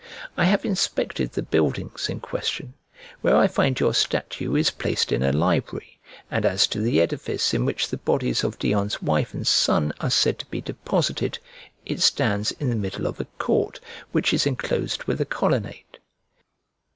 I have inspected the buildings in question, where I find your statue is placed in a library, and as to the edifice in which the bodies of Dion's wife and son are said to be deposited, it stands in the middle of a court, which is enclosed with a colonnade.